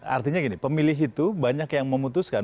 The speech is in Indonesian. artinya gini pemilih itu banyak yang memutuskan